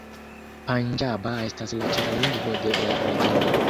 Panĝaba estas la ĉefa lingvo de la regiono.